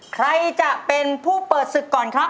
ใครจะเป็นผู้เปิดศึกก่อนครับ